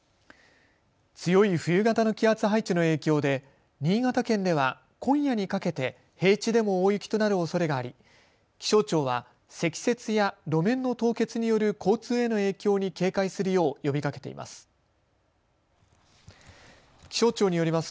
強い冬型の気圧配置の影響で新潟県では今夜にかけて平地でも大雪となるおそれがあり気象庁は積雪や路面の凍結による交通への影響に警戒するよう呼びかけています。